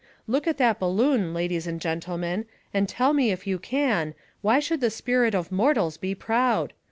Look at that balloon, ladies and gentlemen, and tell me if you can, why should the spirit of mortals be proud?